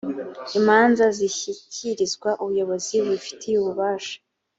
imanza zishyikirizwa ubuyobozi bubifitiye ububasha